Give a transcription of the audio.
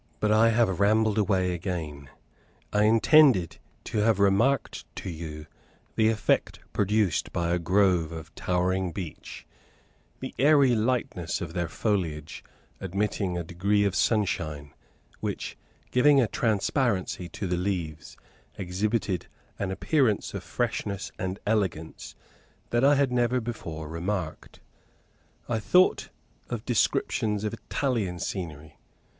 But I have rambled away again. I intended to have remarked to you the effect produced by a grove of towering beech, the airy lightness of their foliage admitting a degree of sunshine, which, giving a transparency to the leaves, exhibited an appearance of freshness and elegance that I had never before remarked. I thought of descriptions of Italian scenery.